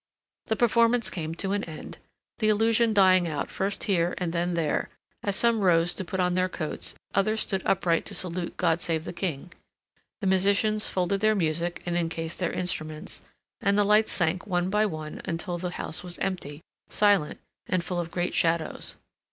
The performance came to an end, the illusion dying out first here and then there, as some rose to put on their coats, others stood upright to salute "God Save the King," the musicians folded their music and encased their instruments, and the lights sank one by one until the house was empty, silent, and full of great shadows.